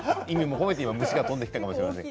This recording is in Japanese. それで虫が飛んできたのかもしれません。